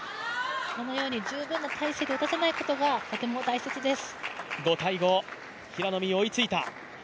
このように十分な体勢で打たせないことがとても大切です。